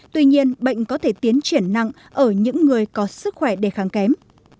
tuy nhiên bệnh có thể tiến triển nặng ở những người có sức khỏe đề kháng kém